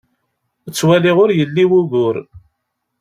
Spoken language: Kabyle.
Ttwaliɣ ur yelli wugur.